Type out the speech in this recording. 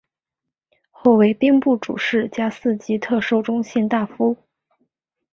后为兵部主事加四级特授中宪大夫。